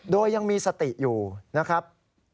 โดยยังมีสติอยู่นะครับ